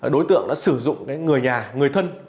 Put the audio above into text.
đối tượng đã sử dụng người nhà người thân